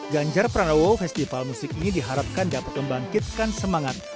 ganjar pranowo festival musik ini diharapkan dapat membangkitkan semangat